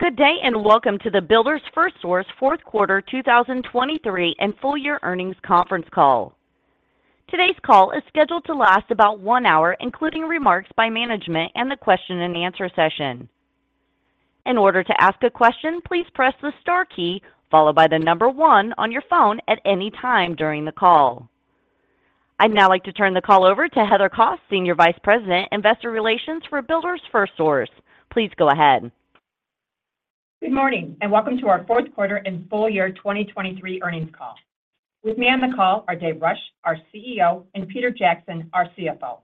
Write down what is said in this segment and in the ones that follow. Good day and welcome to the Builders FirstSource fourth quarter 2023 and full year earnings conference call. Today's call is scheduled to last about one hour, including remarks by management and the question and answer session. In order to ask a question, please press the star key followed by the number one on your phone at any time during the call. I'd now like to turn the call over to Heather Kos, Senior Vice President, Investor Relations for Builders FirstSource. Please go ahead. Good morning and welcome to our fourth quarter and full year 2023 earnings call. With me on the call are Dave Rush, our CEO, and Peter Jackson, our CFO.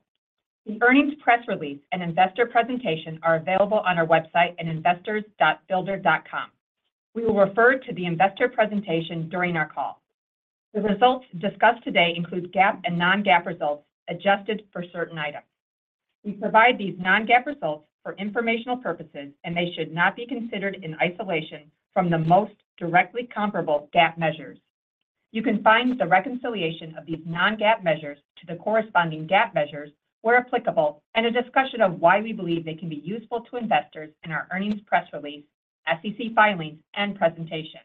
The earnings press release and investor presentation are available on our website at investors.bldr.com. We will refer to the investor presentation during our call. The results discussed today include GAAP and non-GAAP results adjusted for certain items. We provide these non-GAAP results for informational purposes, and they should not be considered in isolation from the most directly comparable GAAP measures. You can find the reconciliation of these non-GAAP measures to the corresponding GAAP measures, where applicable, and a discussion of why we believe they can be useful to investors in our earnings press release, SEC filings, and presentation.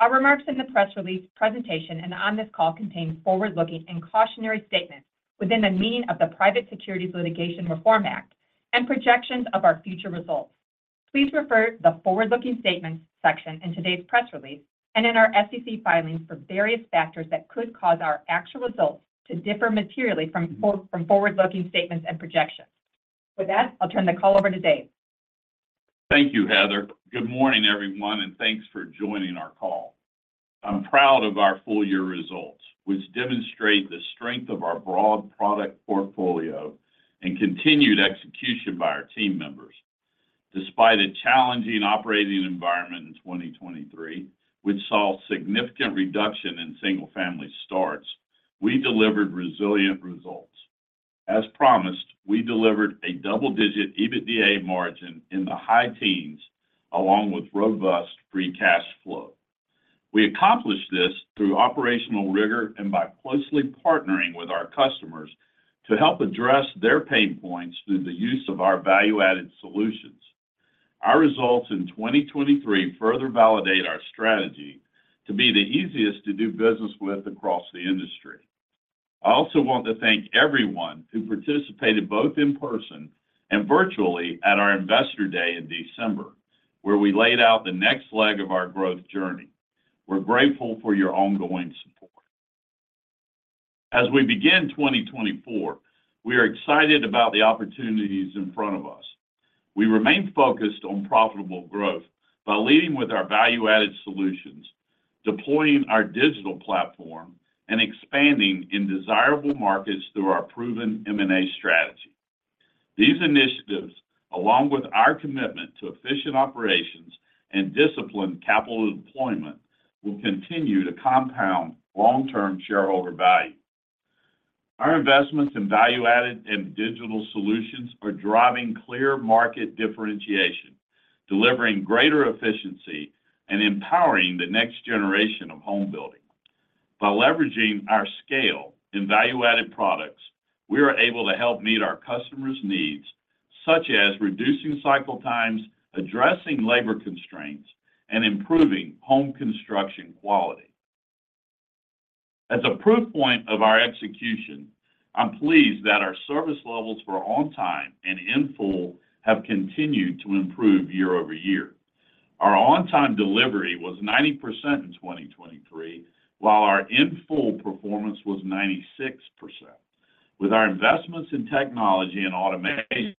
Our remarks in the press release, presentation, and on this call contain forward-looking and cautionary statements within the meaning of the Private Securities Litigation Reform Act and projections of our future results. Please refer to the forward-looking statements section in today's press release and in our SEC filings for various factors that could cause our actual results to differ materially from forward-looking statements and projections. With that, I'll turn the call over to Dave. Thank you, Heather. Good morning, everyone, and thanks for joining our call. I'm proud of our full year results, which demonstrate the strength of our broad product portfolio and continued execution by our team members. Despite a challenging operating environment in 2023, which saw significant reduction in single-family starts, we delivered resilient results. As promised, we delivered a double-digit EBITDA margin in the high teens along with robust free cash flow. We accomplished this through operational rigor and by closely partnering with our customers to help address their pain points through the use of our value-added solutions. Our results in 2023 further validate our strategy to be the easiest to do business with across the industry. I also want to thank everyone who participated both in person and virtually at our Investor Day in December, where we laid out the next leg of our growth journey. We're grateful for your ongoing support. As we begin 2024, we are excited about the opportunities in front of us. We remain focused on profitable growth by leading with our value-added solutions, deploying our digital platform, and expanding in desirable markets through our proven M&A strategy. These initiatives, along with our commitment to efficient operations and disciplined capital deployment, will continue to compound long-term shareholder value. Our investments in value-added and digital solutions are driving clear market differentiation, delivering greater efficiency, and empowering the next generation of home building. By leveraging our scale and value-added products, we are able to help meet our customers' needs, such as reducing cycle times, addressing labor constraints, and improving home construction quality. As a proof point of our execution, I'm pleased that our service levels for on-time and in full have continued to improve year-over-year. Our on-time delivery was 90% in 2023, while our in full performance was 96%. With our investments in technology and automation,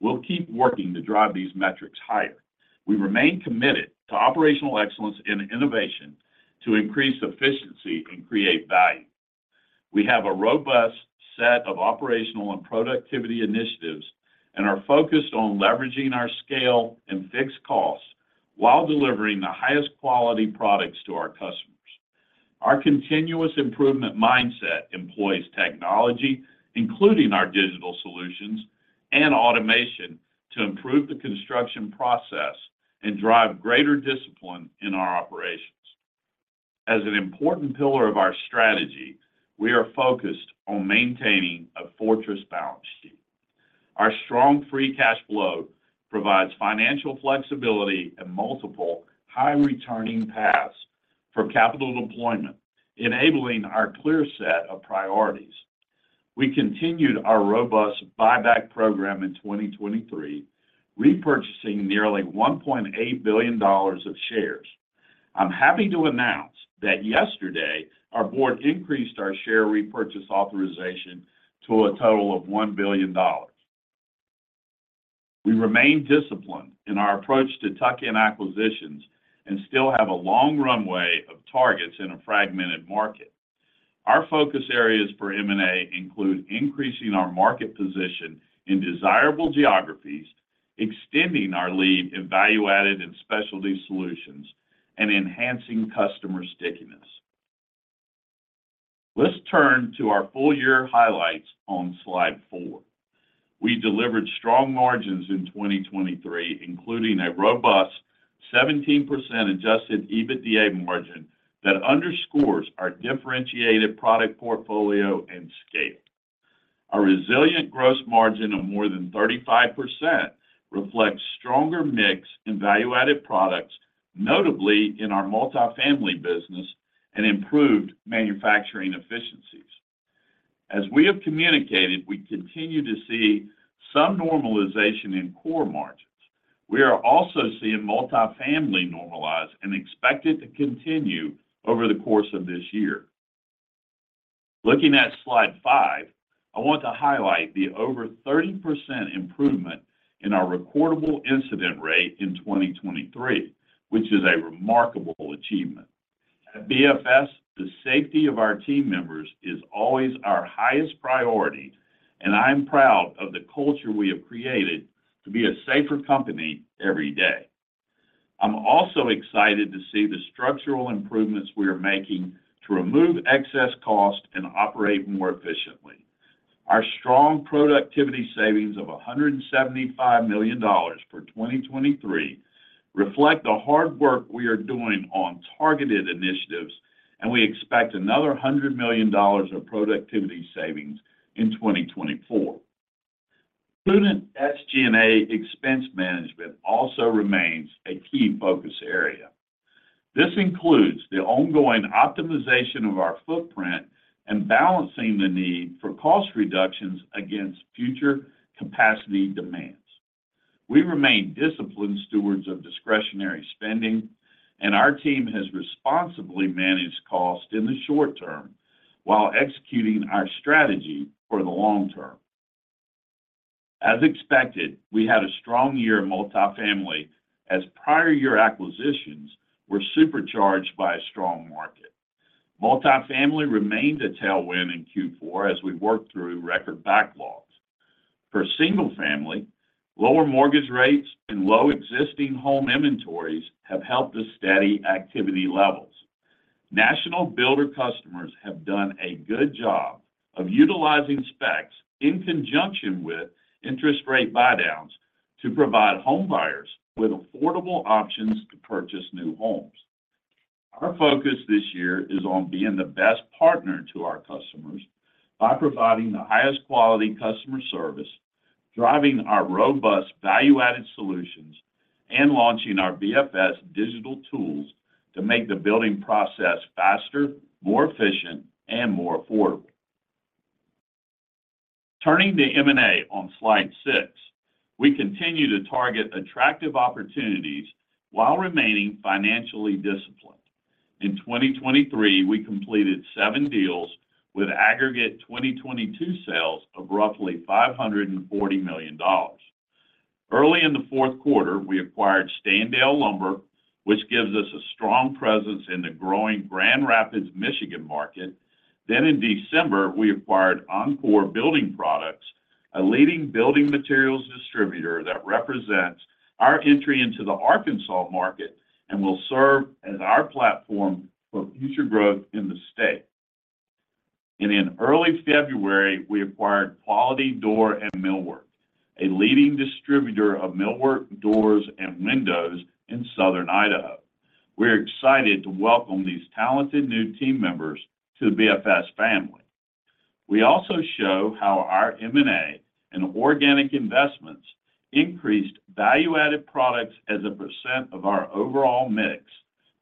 we'll keep working to drive these metrics higher. We remain committed to operational excellence and innovation to increase efficiency and create value. We have a robust set of operational and productivity initiatives and are focused on leveraging our scale and fixed costs while delivering the highest quality products to our customers. Our continuous improvement mindset employs technology, including our digital solutions and automation, to improve the construction process and drive greater discipline in our operations. As an important pillar of our strategy, we are focused on maintaining a fortress balance sheet. Our strong free cash flow provides financial flexibility and multiple high-returning paths for capital deployment, enabling our clear set of priorities. We continued our robust buyback program in 2023, repurchasing nearly $1.8 billion of shares. I'm happy to announce that yesterday, our board increased our share repurchase authorization to a total of $1 billion. We remain disciplined in our approach to tuck-in acquisitions and still have a long runway of targets in a fragmented market. Our focus areas for M&A include increasing our market position in desirable geographies, extending our lead in value-added and specialty solutions, and enhancing customer stickiness. Let's turn to our full year highlights on slide four. We delivered strong margins in 2023, including a robust 17% Adjusted EBITDA margin that underscores our differentiated product portfolio and scale. Our resilient gross margin of more than 35% reflects stronger mix in value-added products, notably in our multifamily business and improved manufacturing efficiencies. As we have communicated, we continue to see some normalization in core margins. We are also seeing multifamily normalize and expect it to continue over the course of this year. Looking at slide five, I want to highlight the over 30% improvement in our reportable incident rate in 2023, which is a remarkable achievement. At BFS, the safety of our team members is always our highest priority, and I am proud of the culture we have created to be a safer company every day. I'm also excited to see the structural improvements we are making to remove excess cost and operate more efficiently. Our strong productivity savings of $175 million for 2023 reflect the hard work we are doing on targeted initiatives, and we expect another $100 million of productivity savings in 2024. Steady SG&A expense management also remains a key focus area. This includes the ongoing optimization of our footprint and balancing the need for cost reductions against future capacity demands. We remain disciplined stewards of discretionary spending, and our team has responsibly managed cost in the short term while executing our strategy for the long term. As expected, we had a strong year multifamily as prior year acquisitions were supercharged by a strong market. Multifamily remained a tailwind in Q4 as we worked through record backlogs. For single-family, lower mortgage rates and low existing home inventories have helped us steady activity levels. National builder customers have done a good job of utilizing specs in conjunction with interest rate buydowns to provide home buyers with affordable options to purchase new homes. Our focus this year is on being the best partner to our customers by providing the highest quality customer service, driving our robust value-added solutions, and launching our BFS digital tools to make the building process faster, more efficient, and more affordable. Turning to M&A on slide six, we continue to target attractive opportunities while remaining financially disciplined. In 2023, we completed seven deals with aggregate 2022 sales of roughly $540 million. Early in the fourth quarter, we acquired Standale Lumber, which gives us a strong presence in the growing Grand Rapids, Michigan market. Then in December, we acquired Encore Building Products, a leading building materials distributor that represents our entry into the Arkansas market and will serve as our platform for future growth in the state. And in early February, we acquired Quality Door and Millwork, a leading distributor of millwork doors and windows in southern Idaho. We are excited to welcome these talented new team members to the BFS family. We also show how our M&A and organic investments increased value-added products as a percent of our overall mix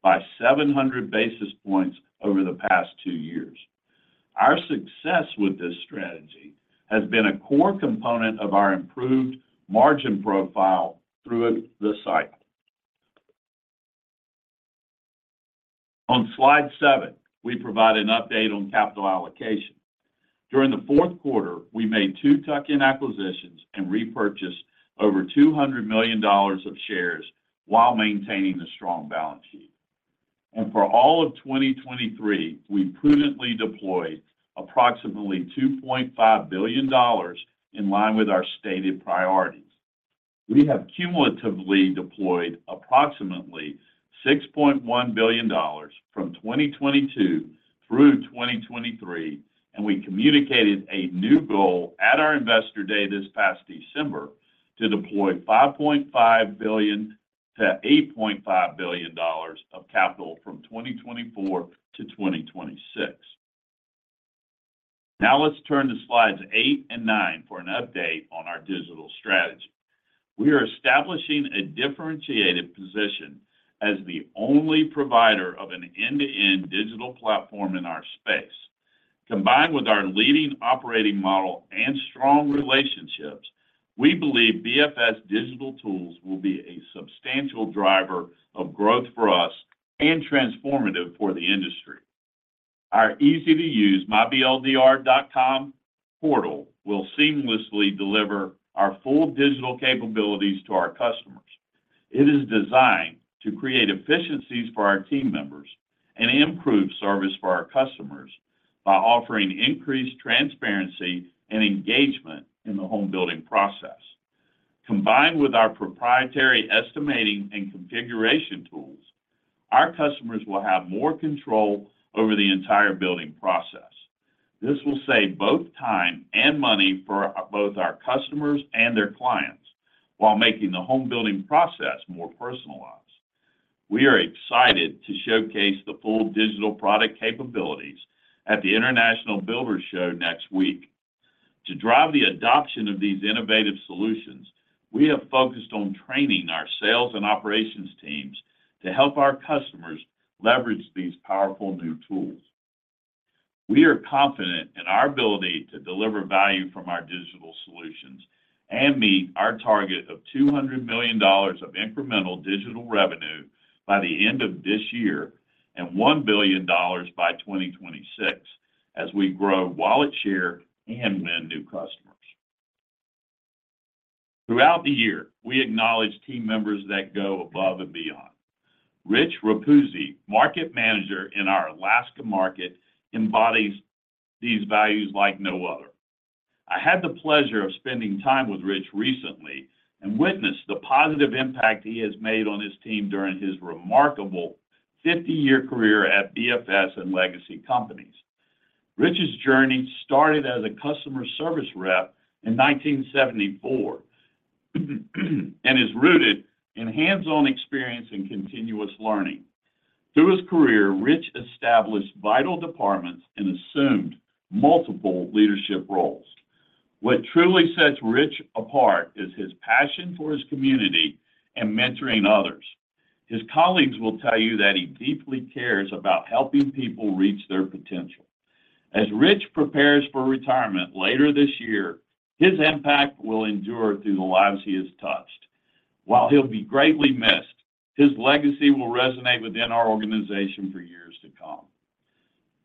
by 700 basis points over the past two years. Our success with this strategy has been a core component of our improved margin profile through the cycle. On slide seven, we provide an update on capital allocation. During the fourth quarter, we made two tuck-in acquisitions and repurchased over $200 million of shares while maintaining a strong balance sheet. For all of 2023, we prudently deployed approximately $2.5 billion in line with our stated priorities. We have cumulatively deployed approximately $6.1 billion from 2022 through 2023, and we communicated a new goal at our Investor Day this past December to deploy $5.5 billion-$8.5 billion of capital from 2024 to 2026. Now let's turn to slides eight and nine for an update on our digital strategy. We are establishing a differentiated position as the only provider of an end-to-end digital platform in our space. Combined with our leading operating model and strong relationships, we believe BFS digital tools will be a substantial driver of growth for us and transformative for the industry. Our easy-to-use myBLDR.com portal will seamlessly deliver our full digital capabilities to our customers. It is designed to create efficiencies for our team members and improve service for our customers by offering increased transparency and engagement in the home building process. Combined with our proprietary estimating and configuration tools, our customers will have more control over the entire building process. This will save both time and money for both our customers and their clients while making the home building process more personalized. We are excited to showcase the full digital product capabilities at the International Builders' Show next week. To drive the adoption of these innovative solutions, we have focused on training our sales and operations teams to help our customers leverage these powerful new tools. We are confident in our ability to deliver value from our digital solutions and meet our target of $200 million of incremental digital revenue by the end of this year and $1 billion by 2026 as we grow wallet share and win new customers. Throughout the year, we acknowledge team members that go above and beyond. Rich Rapuzzi, market manager in our Alaska market, embodies these values like no other. I had the pleasure of spending time with Rich recently and witnessed the positive impact he has made on his team during his remarkable 50-year career at BFS and legacy companies. Rich's journey started as a customer service rep in 1974 and is rooted in hands-on experience and continuous learning. Through his career, Rich established vital departments and assumed multiple leadership roles. What truly sets Rich apart is his passion for his community and mentoring others. His colleagues will tell you that he deeply cares about helping people reach their potential. As Rich prepares for retirement later this year, his impact will endure through the lives he has touched. While he'll be greatly missed, his legacy will resonate within our organization for years to come.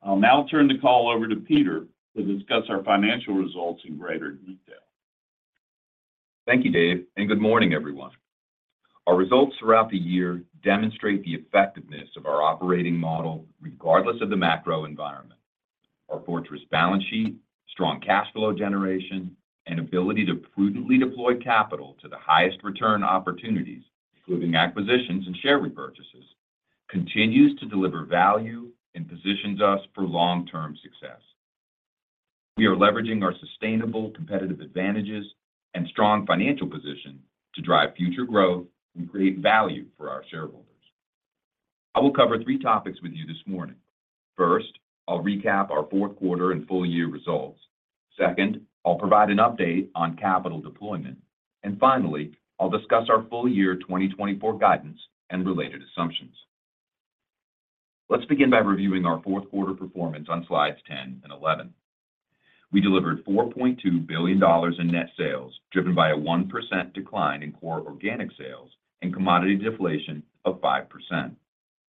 I'll now turn the call over to Peter to discuss our financial results in greater detail. Thank you, Dave, and good morning, everyone. Our results throughout the year demonstrate the effectiveness of our operating model regardless of the macro environment. Our fortress balance sheet, strong cash flow generation, and ability to prudently deploy capital to the highest return opportunities, including acquisitions and share repurchases, continues to deliver value and positions us for long-term success. We are leveraging our sustainable competitive advantages and strong financial position to drive future growth and create value for our shareholders. I will cover three topics with you this morning. First, I'll recap our fourth quarter and full year results. Second, I'll provide an update on capital deployment. Finally, I'll discuss our full year 2024 guidance and related assumptions. Let's begin by reviewing our fourth quarter performance on slides 10 and 11. We delivered $4.2 billion in net sales driven by a 1% decline in core organic sales and commodity deflation of 5%,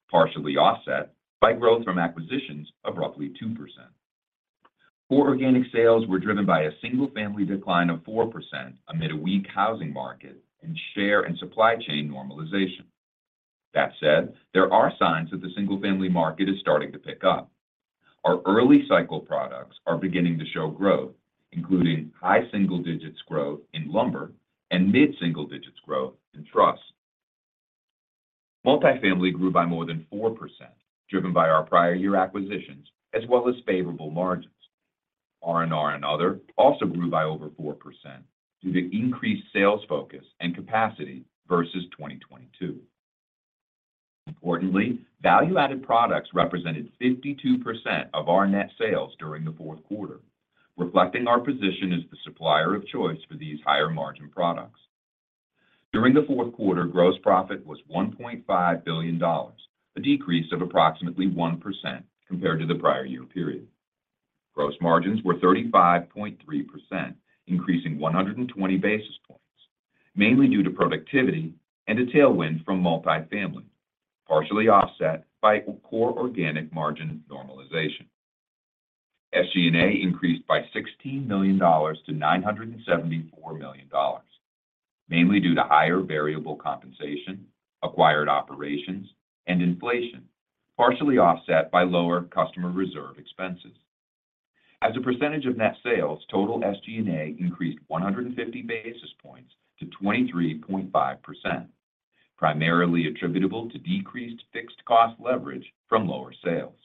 partially offset by growth from acquisitions of roughly 2%. Core organic sales were driven by a single-family decline of 4% amid a weak housing market and share and supply chain normalization. That said, there are signs that the single-family market is starting to pick up. Our early cycle products are beginning to show growth, including high single-digits growth in lumber and mid-single-digits growth in trusses. Multifamily grew by more than 4% driven by our prior year acquisitions as well as favorable margins. R&R and other also grew by over 4% due to increased sales focus and capacity versus 2022. Importantly, value-added products represented 52% of our net sales during the fourth quarter, reflecting our position as the supplier of choice for these higher margin products. During the fourth quarter, gross profit was $1.5 billion, a decrease of approximately 1% compared to the prior year period. Gross margins were 35.3%, increasing 120 basis points, mainly due to productivity and a tailwind from multifamily, partially offset by core organic margin normalization. SG&A increased by $16 million-$974 million, mainly due to higher variable compensation, acquired operations, and inflation, partially offset by lower customer reserve expenses. As a percentage of net sales, total SG&A increased 150 basis points to 23.5%, primarily attributable to decreased fixed cost leverage from lower sales.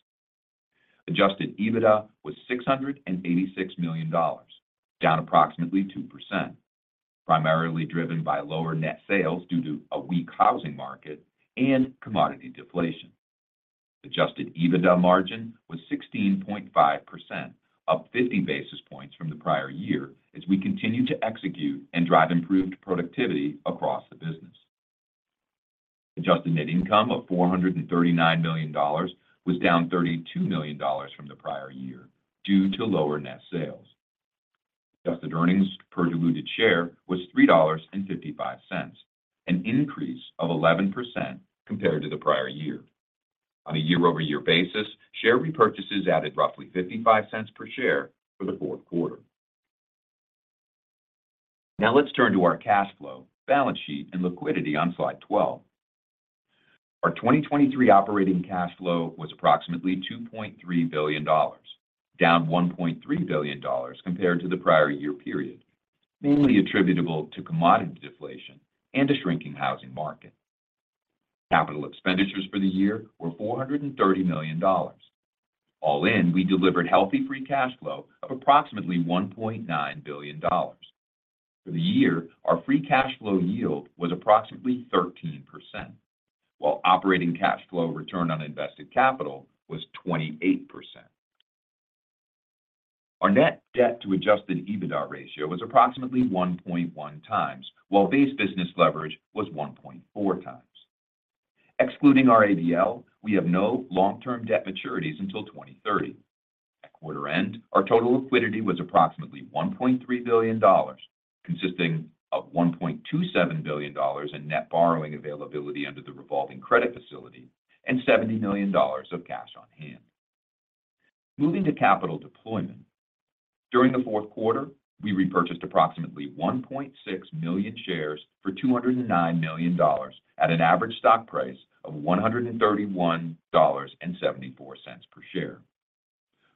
Adjusted EBITDA was $686 million, down approximately 2%, primarily driven by lower net sales due to a weak housing market and commodity deflation. Adjusted EBITDA margin was 16.5%, up 50 basis points from the prior year as we continue to execute and drive improved productivity across the business. Adjusted net income of $439 million was down $32 million from the prior year due to lower net sales. Adjusted earnings per diluted share was $3.55, an increase of 11% compared to the prior year. On a year-over-year basis, share repurchases added roughly $0.55 per share for the fourth quarter. Now let's turn to our cash flow, balance sheet, and liquidity on slide 12. Our 2023 operating cash flow was approximately $2.3 billion, down $1.3 billion compared to the prior year period, mainly attributable to commodity deflation and a shrinking housing market. Capital expenditures for the year were $430 million. All in, we delivered healthy free cash flow of approximately $1.9 billion. For the year, our free cash flow yield was approximately 13%, while operating cash flow return on invested capital was 28%. Our net debt to Adjusted EBITDA ratio was approximately 1.1 times, while Base Business leverage was 1.4 times. Excluding our ABL, we have no long-term debt maturities until 2030. At quarter end, our total liquidity was approximately $1.3 billion, consisting of $1.27 billion in net borrowing availability under the revolving credit facility and $70 million of cash on hand. Moving to capital deployment. During the fourth quarter, we repurchased approximately 1.6 million shares for $209 million at an average stock price of $131.74 per share.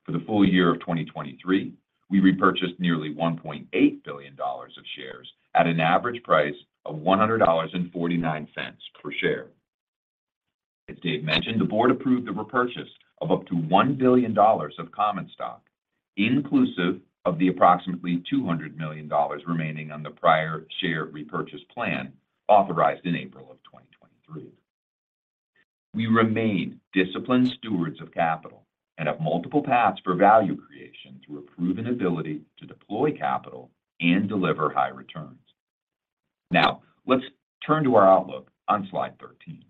For the full year of 2023, we repurchased nearly $1.8 billion of shares at an average price of $100.49 per share. As Dave mentioned, the board approved the repurchase of up to $1 billion of common stock, inclusive of the approximately $200 million remaining on the prior share repurchase plan authorized in April of 2023. We remain disciplined stewards of capital and have multiple paths for value creation through a proven ability to deploy capital and deliver high returns. Now let's turn to our outlook on slide 13.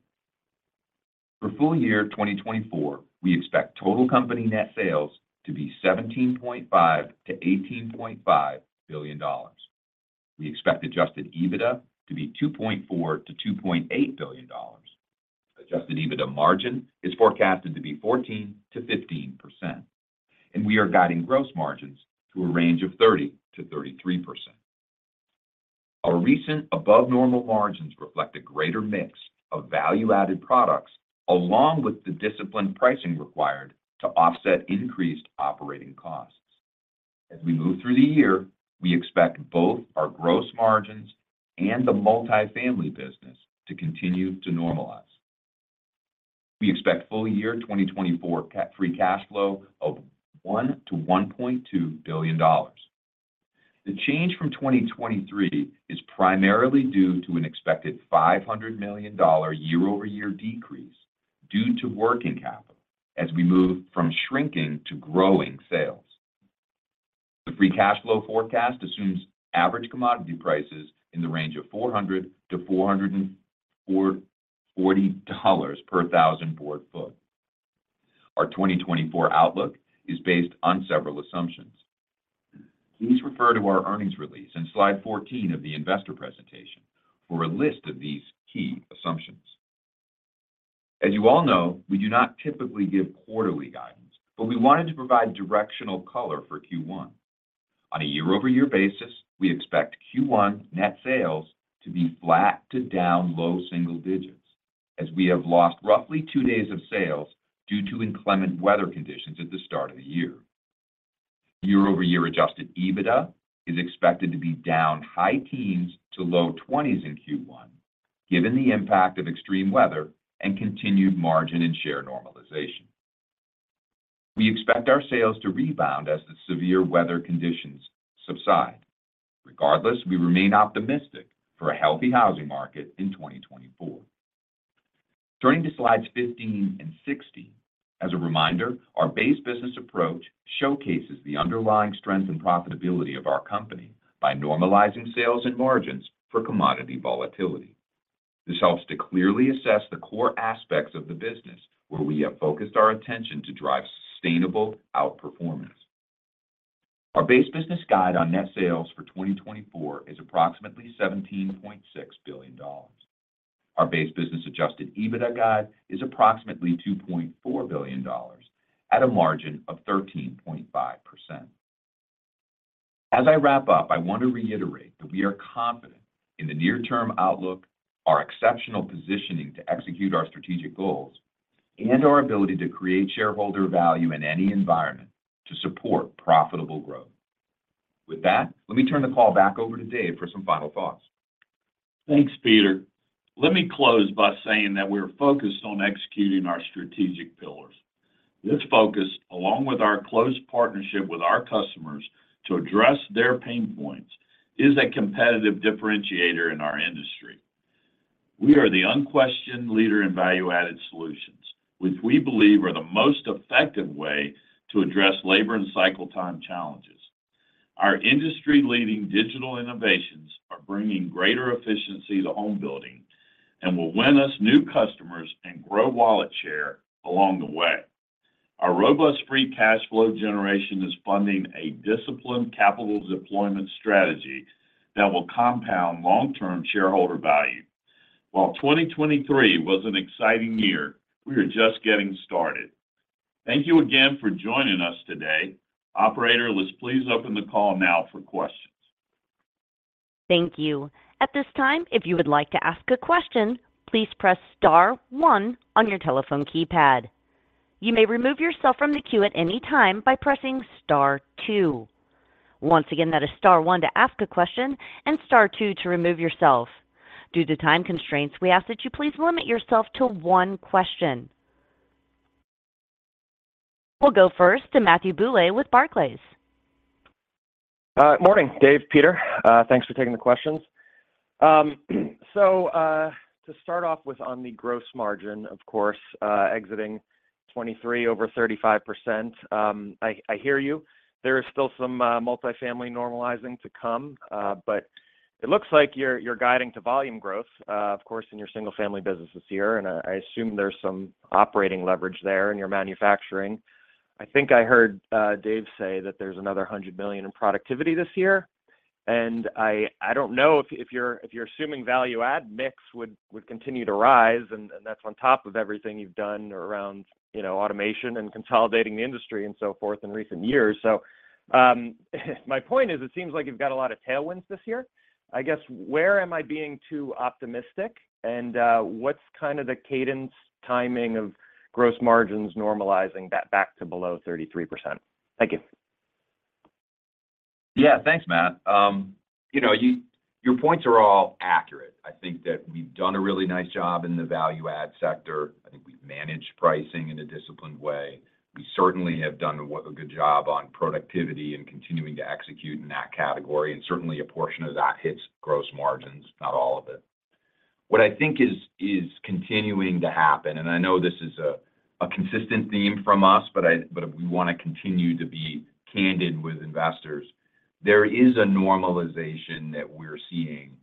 For full year 2024, we expect total company net sales to be $17.5 billion-$18.5 billion. We expect Adjusted EBITDA to be $2.4 billion-$2.8 billion. Adjusted EBITDA margin is forecasted to be 14%-15%, and we are guiding gross margins to a range of 30%-33%. Our recent above-normal margins reflect a greater mix of Value-Added Products along with the disciplined pricing required to offset increased operating costs. As we move through the year, we expect both our gross margins and the multifamily business to continue to normalize. We expect full year 2024 Free Cash Flow of $1 billion-$1.2 billion. The change from 2023 is primarily due to an expected $500 million year-over-year decrease due to working capital as we move from shrinking to growing sales. The free cash flow forecast assumes average commodity prices in the range of $400-$440 per thousand board feet. Our 2024 outlook is based on several assumptions. Please refer to our earnings release and slide 14 of the investor presentation for a list of these key assumptions. As you all know, we do not typically give quarterly guidance, but we wanted to provide directional color for Q1. On a year-over-year basis, we expect Q1 net sales to be flat to down low single digits as we have lost roughly two days of sales due to inclement weather conditions at the start of the year. Year-over-year Adjusted EBITDA is expected to be down high teens to low twenties in Q1 given the impact of extreme weather and continued margin and share normalization. We expect our sales to rebound as the severe weather conditions subside. Regardless, we remain optimistic for a healthy housing market in 2024. Turning to slides 15 and 16, as a reminder, our Base Business approach showcases the underlying strength and profitability of our company by normalizing sales and margins for commodity volatility. This helps to clearly assess the core aspects of the business where we have focused our attention to drive sustainable outperformance. Our Base Business guide on net sales for 2024 is approximately $17.6 billion. Our Base Business Adjusted EBITDA guide is approximately $2.4 billion at a margin of 13.5%. As I wrap up, I want to reiterate that we are confident in the near-term outlook, our exceptional positioning to execute our strategic goals, and our ability to create shareholder value in any environment to support profitable growth. With that, let me turn the call back over to Dave for some final thoughts. Thanks, Peter. Let me close by saying that we're focused on executing our strategic pillars. This focus, along with our close partnership with our customers to address their pain points, is a competitive differentiator in our industry. We are the unquestioned leader in value-added solutions, which we believe are the most effective way to address labor and cycle time challenges. Our industry-leading digital innovations are bringing greater efficiency to homebuilding and will win us new customers and grow wallet share along the way. Our robust free cash flow generation is funding a disciplined capital deployment strategy that will compound long-term shareholder value. While 2023 was an exciting year, we are just getting started. Thank you again for joining us today. Operator, please open the call now for questions. Thank you. At this time, if you would like to ask a question, please press star one on your telephone keypad. You may remove yourself from the queue at any time by pressing star two. Once again, that is star one to ask a question and star two to remove yourself. Due to time constraints, we ask that you please limit yourself to one question. We'll go first to Matthew Bouley with Barclays. Morning, Dave, Peter. Thanks for taking the questions. So to start off with on the gross margin, of course, exiting 2023 over 35%, I hear you. There is still some multifamily normalizing to come, but it looks like you're guiding to volume growth, of course, in your single-family business this year. And I assume there's some operating leverage there in your manufacturing. I think I heard Dave say that there's another $100 million in productivity this year. And I don't know if you're assuming value-add mix would continue to rise, and that's on top of everything you've done around automation and consolidating the industry and so forth in recent years. So my point is, it seems like you've got a lot of tailwinds this year. I guess, where am I being too optimistic, and what's kind of the cadence, timing of gross margins normalizing back to below 33%? Thank you. Yeah, thanks, Matt. Your points are all accurate. I think that we've done a really nice job in the value-add sector. I think we've managed pricing in a disciplined way. We certainly have done a good job on productivity and continuing to execute in that category. And certainly, a portion of that hits gross margins, not all of it. What I think is continuing to happen and I know this is a consistent theme from us, but we want to continue to be candid with investors. There is a normalization that we're seeing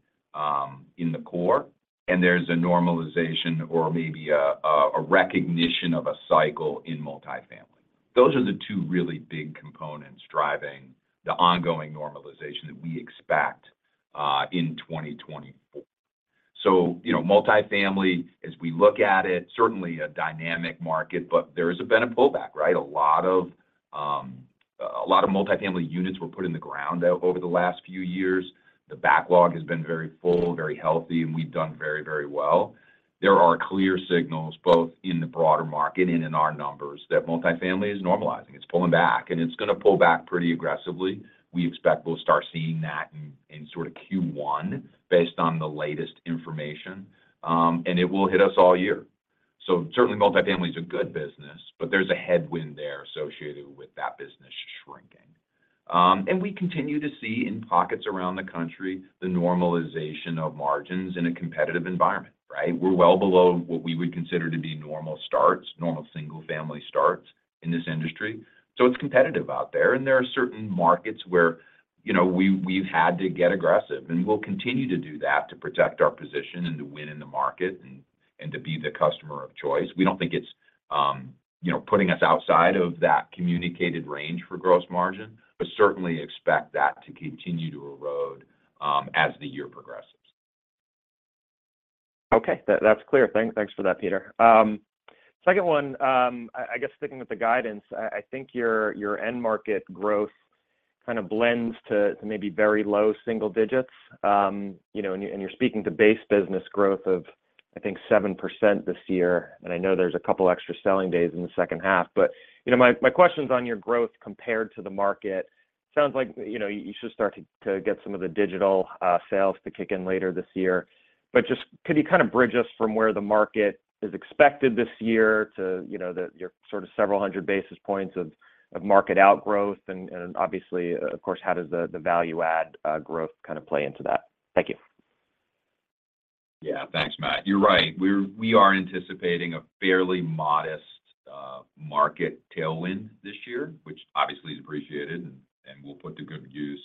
in the core, and there's a normalization or maybe a recognition of a cycle in multifamily. Those are the two really big components driving the ongoing normalization that we expect in 2024. So multifamily, as we look at it, certainly a dynamic market, but there is a bit of pullback, right? A lot of multifamily units were put in the ground over the last few years. The backlog has been very full, very healthy, and we've done very, very well. There are clear signals both in the broader market and in our numbers that multifamily is normalizing. It's pulling back, and it's going to pull back pretty aggressively. We expect we'll start seeing that in sort of Q1 based on the latest information, and it will hit us all year. So certainly, multifamily is a good business, but there's a headwind there associated with that business shrinking. And we continue to see in pockets around the country the normalization of margins in a competitive environment, right? We're well below what we would consider to be normal starts, normal single-family starts in this industry. So it's competitive out there, and there are certain markets where we've had to get aggressive, and we'll continue to do that to protect our position and to win in the market and to be the customer of choice. We don't think it's putting us outside of that communicated range for gross margin, but certainly expect that to continue to erode as the year progresses. Okay, that's clear. Thanks for that, Peter. Second one, I guess sticking with the guidance, I think your end market growth kind of blends to maybe very low single digits. You're speaking to base business growth of, I think, 7% this year. I know there's a couple extra selling days in the second half. My questions on your growth compared to the market, it sounds like you should start to get some of the digital sales to kick in later this year. But just could you kind of bridge us from where the market is expected this year to your sort of several hundred basis points of market outgrowth? And obviously, of course, how does the value-add growth kind of play into that? Thank you. Yeah, thanks, Matt. You're right. We are anticipating a fairly modest market tailwind this year, which obviously is appreciated, and we'll put to good use.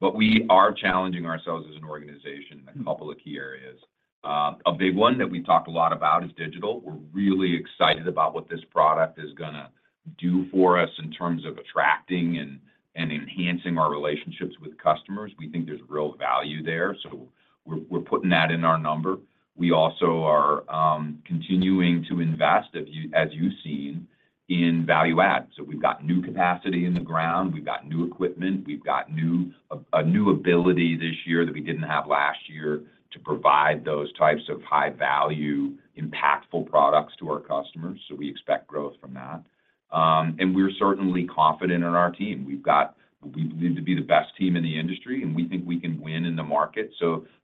But we are challenging ourselves as an organization in a couple of key areas. A big one that we've talked a lot about is digital. We're really excited about what this product is going to do for us in terms of attracting and enhancing our relationships with customers. We think there's real value there, so we're putting that in our number. We also are continuing to invest, as you've seen, in value-add. So we've got new capacity in the ground. We've got new equipment. We've got a new ability this year that we didn't have last year to provide those types of high-value, impactful products to our customers. So we expect growth from that. And we're certainly confident in our team. We believe to be the best team in the industry, and we think we can win in the market.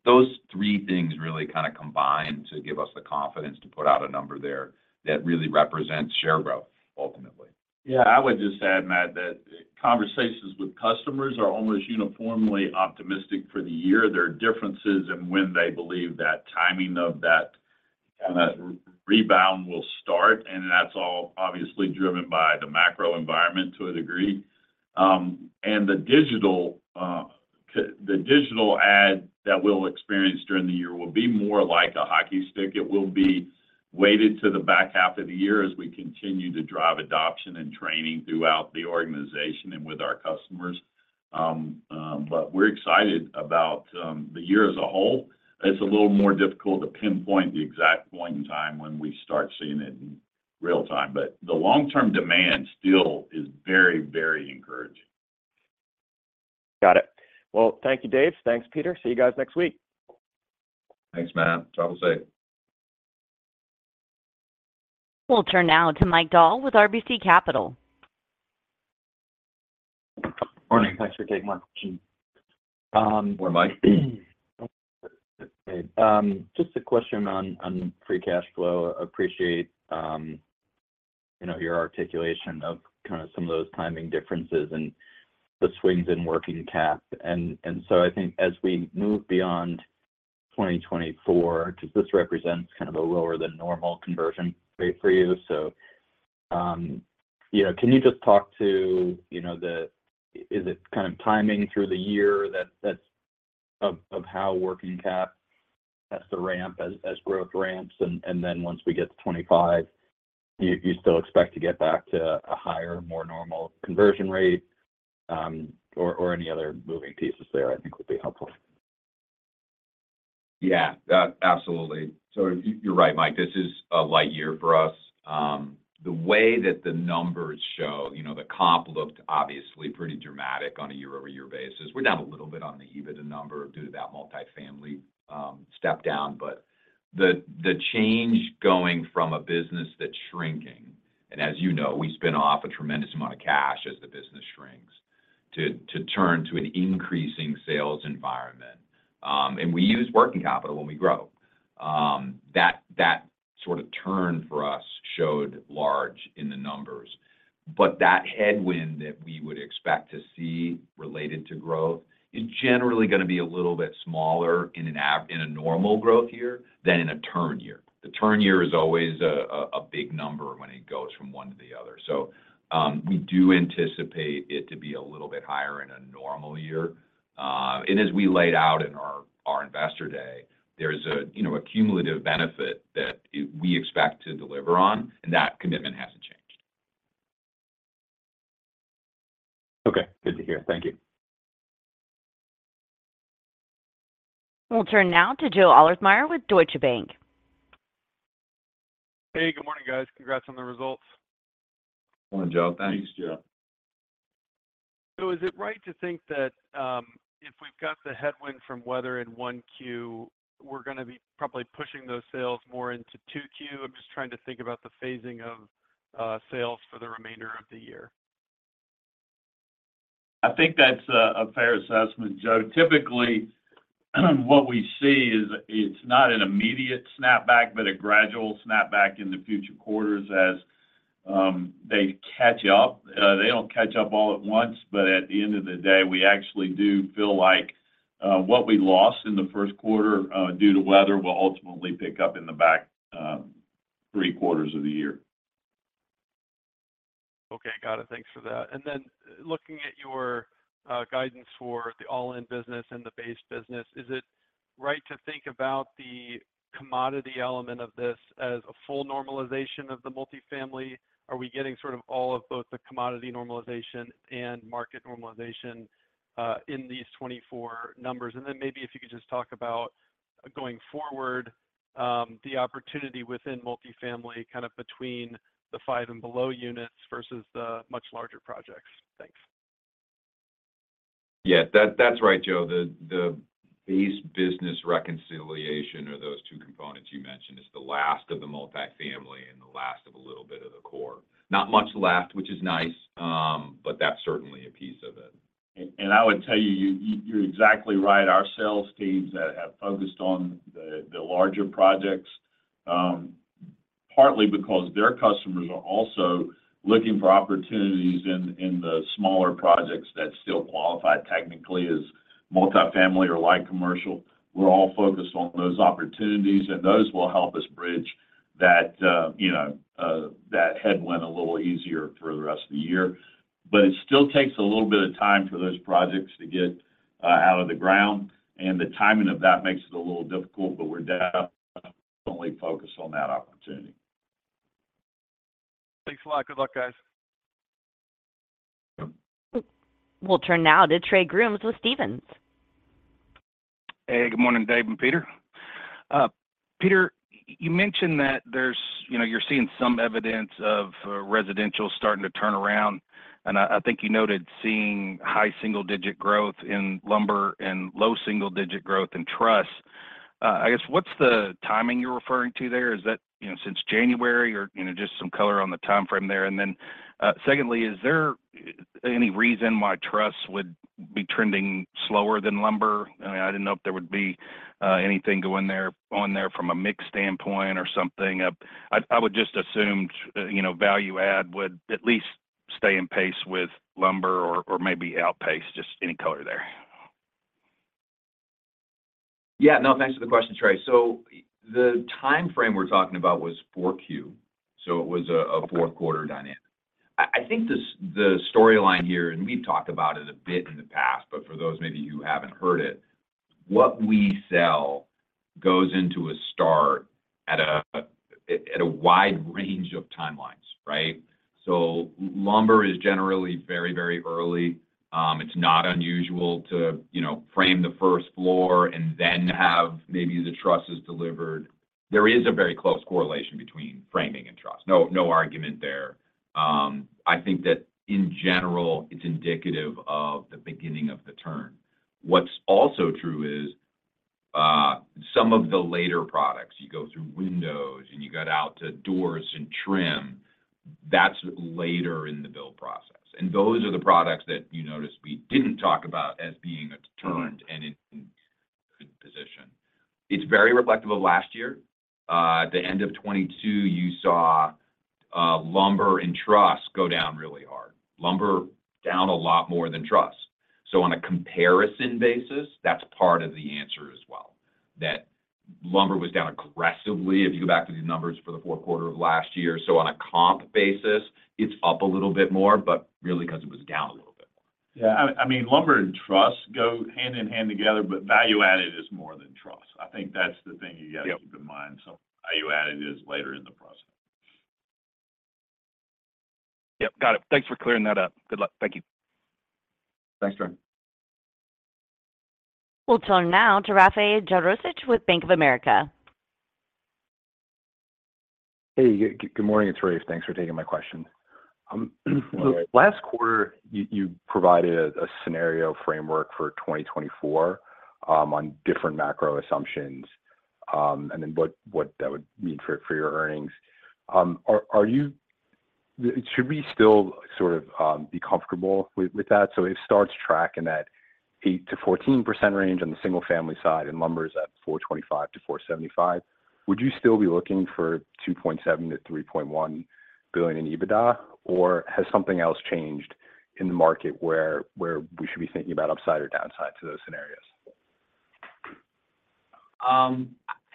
Those three things really kind of combine to give us the confidence to put out a number there that really represents share growth, ultimately. Yeah, I would just add, Matt, that conversations with customers are almost uniformly optimistic for the year. There are differences in when they believe that timing of that kind of rebound will start, and that's all obviously driven by the macro environment to a degree. And the digital add that we'll experience during the year will be more like a hockey stick. It will be weighted to the back half of the year as we continue to drive adoption and training throughout the organization and with our customers. But we're excited about the year as a whole. It's a little more difficult to pinpoint the exact point in time when we start seeing it in real time, but the long-term demand still is very, very encouraging. Got it. Well, thank you, Dave. Thanks, Peter. See you guys next week. Thanks, Matt. Travel safe. We'll turn now to Mike Dahl with RBC Capital. Morning. Thanks for taking my question. Hey, Mike. Just a question on free cash flow. I appreciate your articulation of kind of some of those timing differences and the swings in working cap. So I think as we move beyond 2024, because this represents kind of a lower-than-normal conversion rate for you. So can you just talk to the is it kind of timing through the year of how working cap has to ramp as growth ramps? And then once we get to 2025, do you still expect to get back to a higher, more normal conversion rate, or any other moving pieces there, I think, would be helpful? Yeah, absolutely. So you're right, Mike. This is a light year for us. The way that the numbers show, the comp looked obviously pretty dramatic on a year-over-year basis. We're down a little bit on the EBITDA number due to that multifamily step down. But the change going from a business that's shrinking and as you know, we spin off a tremendous amount of cash as the business shrinks to turn to an increasing sales environment. And we use working capital when we grow. That sort of turn for us showed large in the numbers. But that headwind that we would expect to see related to growth is generally going to be a little bit smaller in a normal growth year than in a turn year. The turn year is always a big number when it goes from one to the other. We do anticipate it to be a little bit higher in a normal year. As we laid out in our investor day, there's a cumulative benefit that we expect to deliver on, and that commitment hasn't changed. Okay. Good to hear. Thank you. We'll turn now to Joe Ahlersmeyer with Deutsche Bank. Hey, good morning, guys. Congrats on the results. Morning, Joe. Thanks. Thanks, Joe. So is it right to think that if we've got the headwind from weather in 1Q, we're going to be probably pushing those sales more into 2Q? I'm just trying to think about the phasing of sales for the remainder of the year. I think that's a fair assessment, Joe. Typically, what we see is it's not an immediate snapback, but a gradual snapback in the future quarters as they catch up. They don't catch up all at once, but at the end of the day, we actually do feel like what we lost in the first quarter due to weather will ultimately pick up in the back three quarters of the year. Okay, got it. Thanks for that. And then looking at your guidance for the all-in business and the base business, is it right to think about the commodity element of this as a full normalization of the multifamily? Are we getting sort of all of both the commodity normalization and market normalization in these 2024 numbers? And then maybe if you could just talk about going forward, the opportunity within multifamily kind of between the 5 and below units versus the much larger projects. Thanks. Yeah, that's right, Joe. The Base Business reconciliation, or those two components you mentioned, is the last of the multifamily and the last of a little bit of the core. Not much left, which is nice, but that's certainly a piece of it. And I would tell you, you're exactly right. Our sales teams that have focused on the larger projects, partly because their customers are also looking for opportunities in the smaller projects that still qualify technically as multifamily or light commercial, we're all focused on those opportunities, and those will help us bridge that headwind a little easier for the rest of the year. But it still takes a little bit of time for those projects to get out of the ground, and the timing of that makes it a little difficult, but we're definitely focused on that opportunity. Thanks, Mike. Good luck, guys. We'll turn now to Trey Grooms with Stephens. Hey, good morning, Dave and Peter. Peter, you mentioned that you're seeing some evidence of residential starting to turn around, and I think you noted seeing high single-digit growth in lumber and low single-digit growth in trusses. I guess, what's the timing you're referring to there? Is that since January, or just some color on the timeframe there? And then secondly, is there any reason why trusses would be trending slower than lumber? I mean, I didn't know if there would be anything going on there from a mix standpoint or something. I would just assume value-add would at least stay in pace with lumber or maybe outpace just any color there. Yeah, no, thanks for the question, Trey. So the timeframe we're talking about was 4Q, so it was a fourth-quarter dynamic. I think the storyline here and we've talked about it a bit in the past, but for those maybe who haven't heard it, what we sell goes into a start at a wide range of timelines, right? So lumber is generally very, very early. It's not unusual to frame the first floor and then have maybe the trusses delivered. There is a very close correlation between framing and trusses. No argument there. I think that, in general, it's indicative of the beginning of the turn. What's also true is some of the later products, you go through windows, and you got out to doors and trim. That's later in the build process. Those are the products that you noticed we didn't talk about as being turned and in good position. It's very reflective of last year. At the end of 2022, you saw lumber and trusses go down really hard. Lumber down a lot more than trusses. On a comparison basis, that's part of the answer as well, that lumber was down aggressively if you go back to the numbers for the fourth quarter of last year. On a comp basis, it's up a little bit more, but really because it was down a little bit more. Yeah, I mean, lumber and trusses go hand in hand together, but value-added is more than trusses. I think that's the thing you got to keep in mind, so value-added is later in the process. Yep, got it. Thanks for clearing that up. Good luck. Thank you. Thanks, Trey. We'll turn now to Rafe Jadrosich with Bank of America. Hey, good morning. It's Rafe. Thanks for taking my question. Last quarter, you provided a scenario framework for 2024 on different macro assumptions and then what that would mean for your earnings. Should we still sort of be comfortable with that? So if starts track in that 8%-14% range on the single-family side and lumber is at $425-$475, would you still be looking for $2.7 billion-$3.1 billion in EBITDA, or has something else changed in the market where we should be thinking about upside or downside to those scenarios? I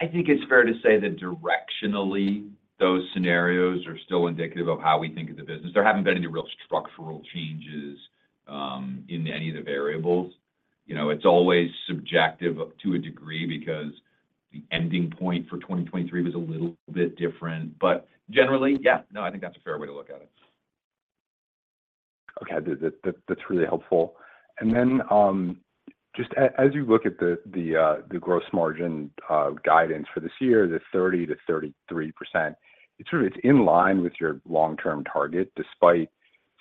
think it's fair to say that directionally, those scenarios are still indicative of how we think of the business. There haven't been any real structural changes in any of the variables. It's always subjective to a degree because the ending point for 2023 was a little bit different. But generally, yeah, no, I think that's a fair way to look at it. Okay, that's really helpful. Then just as you look at the gross margin guidance for this year, the 30%-33%, it's in line with your long-term target despite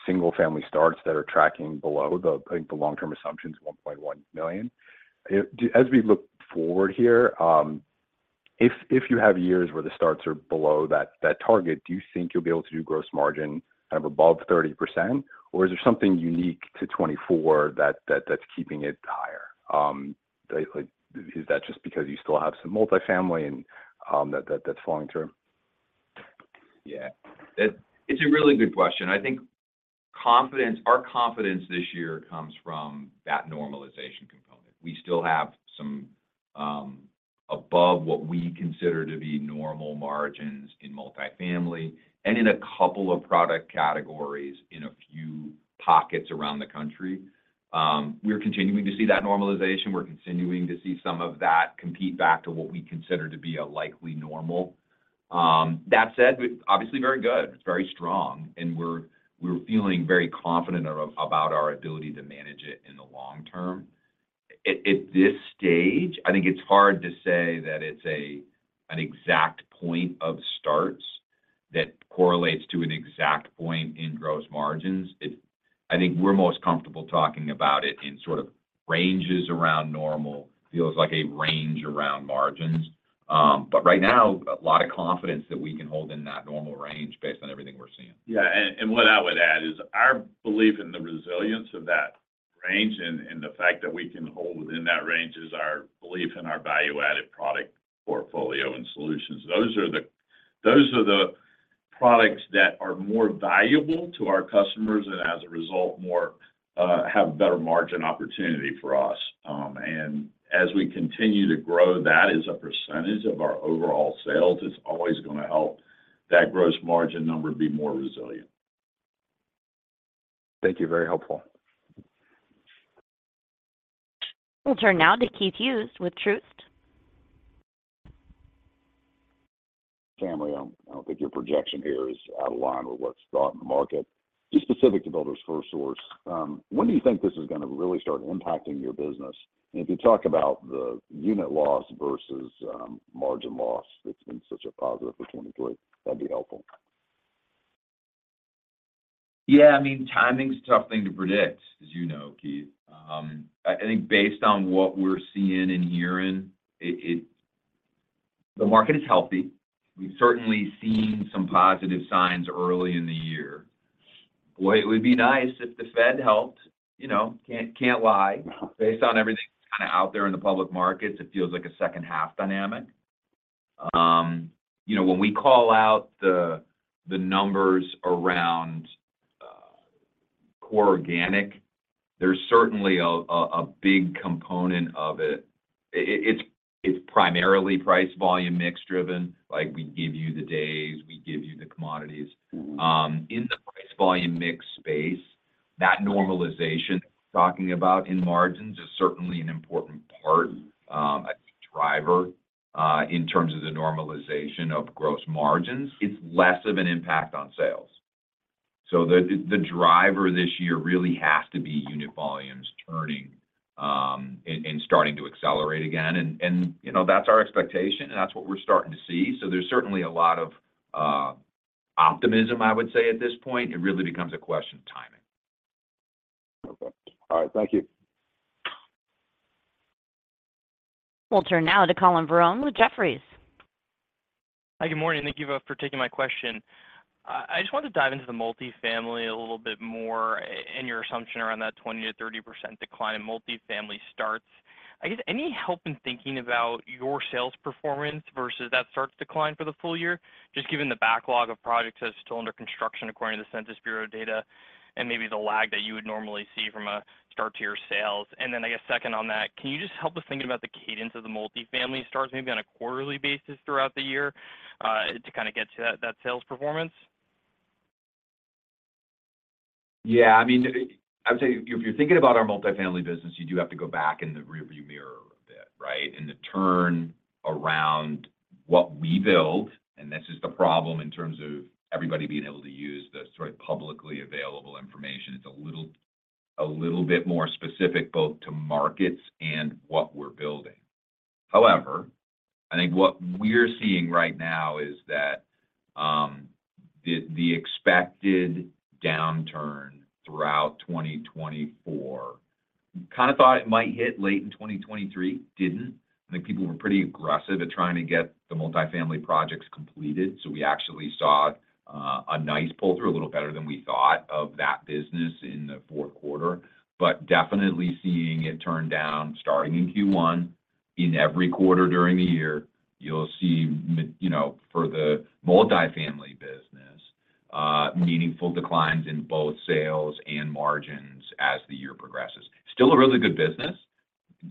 single-family starts that are tracking below the long-term assumptions, 1.1 million. As we look forward here, if you have years where the starts are below that target, do you think you'll be able to do gross margin kind of above 30%, or is there something unique to 2024 that's keeping it higher? Is that just because you still have some multifamily and that's falling through? Yeah, it's a really good question. I think our confidence this year comes from that normalization component. We still have some above what we consider to be normal margins in multifamily and in a couple of product categories in a few pockets around the country. We're continuing to see that normalization. We're continuing to see some of that come back to what we consider to be a likely normal. That said, obviously, very good. It's very strong, and we're feeling very confident about our ability to manage it in the long term. At this stage, I think it's hard to say that it's an exact point of starts that correlates to an exact point in gross margins. I think we're most comfortable talking about it in sort of ranges around normal. Feels like a range around margins. But right now, a lot of confidence that we can hold in that normal range based on everything we're seeing. Yeah, and what I would add is our belief in the resilience of that range and the fact that we can hold within that range is our belief in our value-added product portfolio and solutions. Those are the products that are more valuable to our customers and, as a result, have better margin opportunity for us. As we continue to grow that as a percentage of our overall sales, it's always going to help that gross margin number be more resilient. Thank you. Very helpful. We'll turn now to Keith Hughes with Truist. Sam, I don't think your projection here is out of line with what's thought in the market. Just specific to Builders FirstSource, when do you think this is going to really start impacting your business? And if you talk about the unit loss versus margin loss that's been such a positive for 2023, that'd be helpful. Yeah, I mean, timing's a tough thing to predict, as you know, Keith. I think based on what we're seeing and hearing, the market is healthy. We've certainly seen some positive signs early in the year. Boy, it would be nice if the Fed helped. Can't lie. Based on everything that's kind of out there in the public markets, it feels like a second-half dynamic. When we call out the numbers around core organic, there's certainly a big component of it. It's primarily price-volume mix driven. We give you the days. We give you the commodities. In the price-volume mix space, that normalization that we're talking about in margins is certainly an important part, a driver in terms of the normalization of gross margins. It's less of an impact on sales. So the driver this year really has to be unit volumes turning and starting to accelerate again. And that's our expectation, and that's what we're starting to see. So there's certainly a lot of optimism, I would say, at this point. It really becomes a question of timing. Perfect. All right. Thank you. We'll turn now to Collin Verron with Jefferies. Hi, good morning. Thank you for taking my question. I just wanted to dive into the multifamily a little bit more and your assumption around that 20%-30% decline in multifamily starts. I guess any help in thinking about your sales performance versus that starts decline for the full year, just given the backlog of projects that are still under construction according to the Census Bureau data and maybe the lag that you would normally see from a start-to-year sales? And then I guess second on that, can you just help us think about the cadence of the multifamily starts, maybe on a quarterly basis throughout the year, to kind of get to that sales performance? Yeah, I mean, I would say if you're thinking about our multifamily business, you do have to go back in the rearview mirror a bit, right, and the turnaround in what we build. And this is the problem in terms of everybody being able to use the sort of publicly available information. It's a little bit more specific both to markets and what we're building. However, I think what we're seeing right now is that the expected downturn throughout 2024 kind of thought it might hit late in 2023, didn't. I think people were pretty aggressive at trying to get the multifamily projects completed. So we actually saw a nice pull-through, a little better than we thought, of that business in the fourth quarter, but definitely seeing it turn down starting in Q1. In every quarter during the year, you'll see for the multifamily business, meaningful declines in both sales and margins as the year progresses. Still a really good business.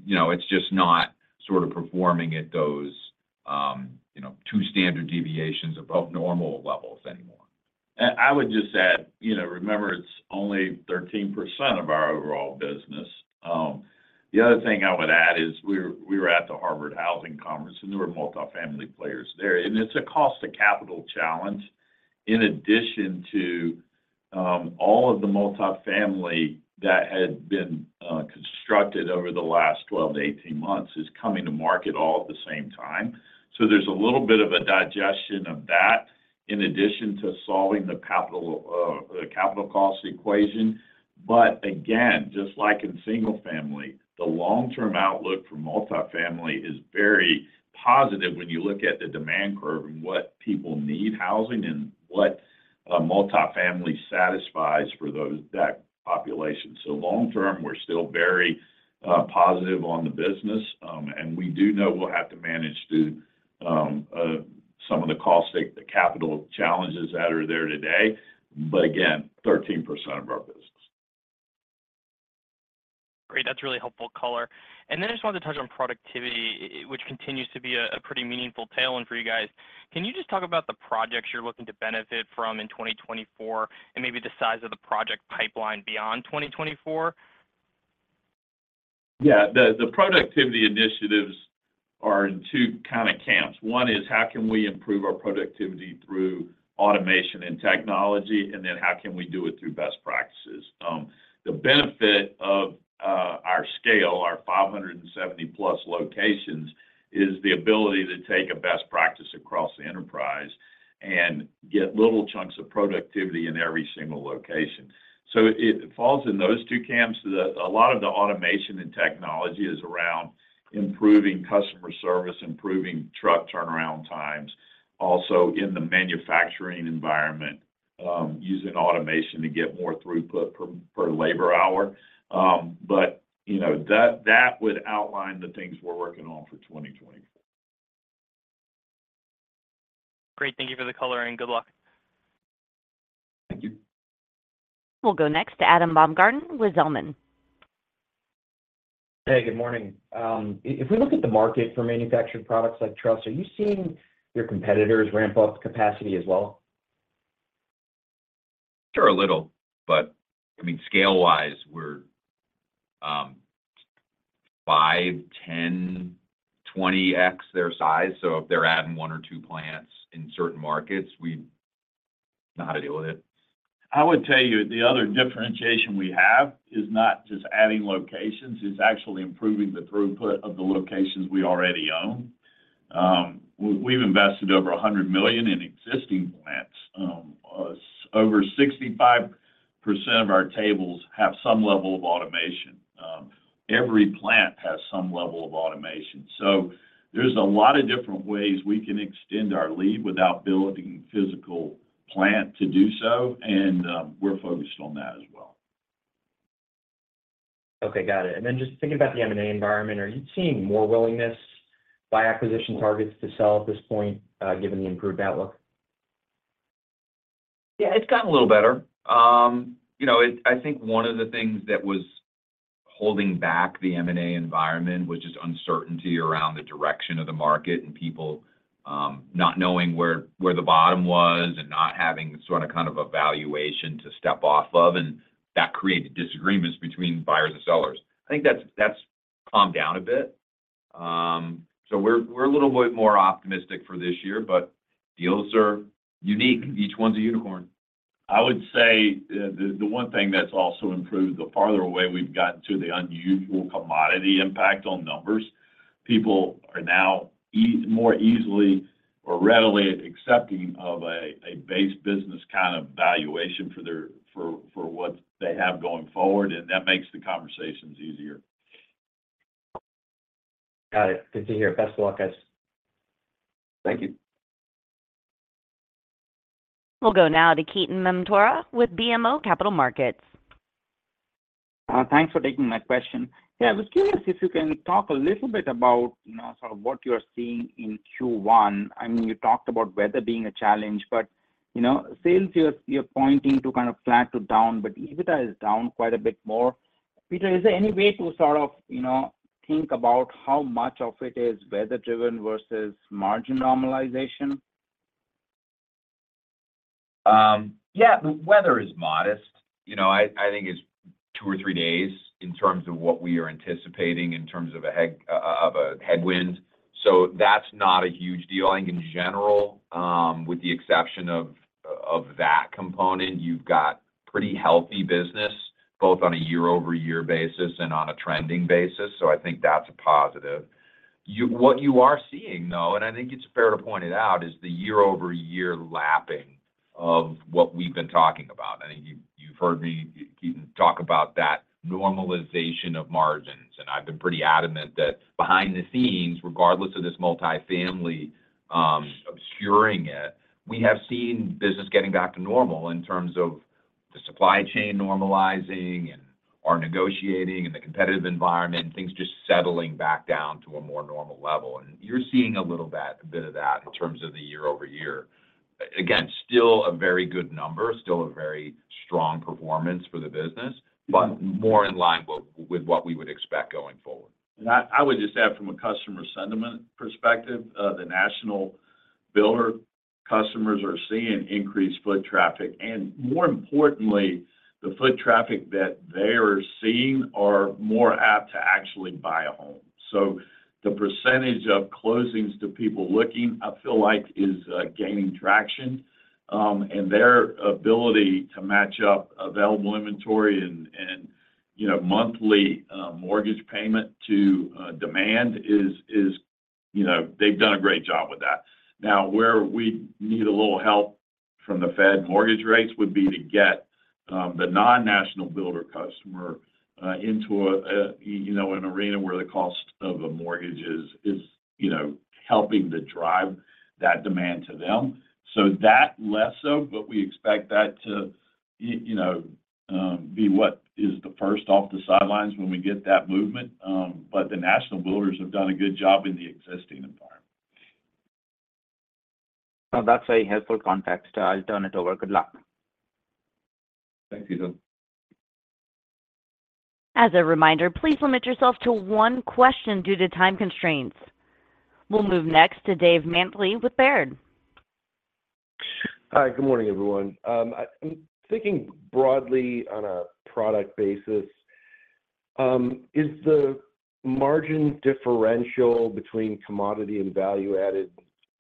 It's just not sort of performing at those two standard deviations above normal levels anymore. I would just add, remember, it's only 13% of our overall business. The other thing I would add is we were at the Harvard Housing Conference, and there were multifamily players there. It's a cost of capital challenge. In addition to all of the multifamily that had been constructed over the last 12-18 months is coming to market all at the same time. So there's a little bit of a digestion of that in addition to solving the capital cost equation. But again, just like in single-family, the long-term outlook for multifamily is very positive when you look at the demand curve and what people need housing and what multifamily satisfies for that population. So long-term, we're still very positive on the business. We do know we'll have to manage through some of the capital challenges that are there today. But again, 13% of our business. Great. That's really helpful color. And then I just wanted to touch on productivity, which continues to be a pretty meaningful tailwind for you guys. Can you just talk about the projects you're looking to benefit from in 2024 and maybe the size of the project pipeline beyond 2024? Yeah, the productivity initiatives are in two kind of camps. One is how can we improve our productivity through automation and technology, and then how can we do it through best practices? The benefit of our scale, our 570+ locations, is the ability to take a best practice across the enterprise and get little chunks of productivity in every single location. So it falls in those two camps. A lot of the automation and technology is around improving customer service, improving truck turnaround times, also in the manufacturing environment, using automation to get more throughput per labor hour. But that would outline the things we're working on for 2024. Great. Thank you for the color, and good luck. Thank you. We'll go next to Adam Baumgarten with Zelman. Hey, good morning. If we look at the market for manufactured products like trusses, are you seeing your competitors ramp up capacity as well? Sure, a little. But I mean, scale-wise, we're 5, 10, 20x their size. So if they're adding one or two plants in certain markets, we know how to deal with it. I would tell you the other differentiation we have is not just adding locations. It's actually improving the throughput of the locations we already own. We've invested over $100 million in existing plants. Over 65% of our tables have some level of automation. Every plant has some level of automation. So there's a lot of different ways we can extend our lead without building physical plant to do so. We're focused on that as well. Okay, got it. And then just thinking about the M&A environment, are you seeing more willingness by acquisition targets to sell at this point, given the improved outlook? Yeah, it's gotten a little better. I think one of the things that was holding back the M&A environment was just uncertainty around the direction of the market and people not knowing where the bottom was and not having sort of kind of a valuation to step off of. And that created disagreements between buyers and sellers. I think that's calmed down a bit. So we're a little bit more optimistic for this year, but deals are unique. Each one's a unicorn. I would say the one thing that's also improved, the farther away we've gotten to the unusual commodity impact on numbers, people are now more easily or readily accepting of a base business kind of valuation for what they have going forward. That makes the conversations easier. Got it. Good to hear. Best of luck, guys. Thank you. We'll go now to Ketan Mamtora with BMO Capital Markets. Thanks for taking my question. Yeah, I was curious if you can talk a little bit about sort of what you are seeing in Q1. I mean, you talked about weather being a challenge, but sales, you're pointing to kind of flat to down, but EBITDA is down quite a bit more. Peter, is there any way to sort of think about how much of it is weather-driven versus margin normalization? Yeah, the weather is modest. I think it's two or three days in terms of what we are anticipating in terms of a headwind. That's not a huge deal. I think in general, with the exception of that component, you've got pretty healthy business both on a year-over-year basis and on a trending basis. I think that's a positive. What you are seeing, though, and I think it's fair to point it out, is the year-over-year lapping of what we've been talking about. I think you've heard me, Keaton, talk about that normalization of margins. And I've been pretty adamant that behind the scenes, regardless of this multifamily obscuring it, we have seen business getting back to normal in terms of the supply chain normalizing and our negotiating and the competitive environment, things just settling back down to a more normal level. You're seeing a little bit of that in terms of the year-over-year. Again, still a very good number, still a very strong performance for the business, but more in line with what we would expect going forward. I would just add from a customer sentiment perspective, the national builder customers are seeing increased foot traffic. More importantly, the foot traffic that they are seeing are more apt to actually buy a home. The percentage of closings to people looking, I feel like, is gaining traction. Their ability to match up available inventory and monthly mortgage payment to demand is they've done a great job with that. Now, where we need a little help from the Fed, mortgage rates would be to get the non-national builder customer into an arena where the cost of a mortgage is helping to drive that demand to them. That less so, but we expect that to be what is the first off the sidelines when we get that movement. The national builders have done a good job in the existing environment. That's a helpful context. I'll turn it over. Good luck. Thanks, Keaton. As a reminder, please limit yourself to one question due to time constraints. We'll move next to Dave Manthey with Baird. Hi. Good morning, everyone. I'm thinking broadly on a product basis. Is the margin differential between commodity and value-added